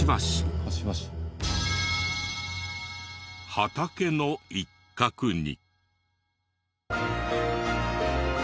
畑の一角に。